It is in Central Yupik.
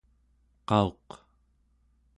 qauq³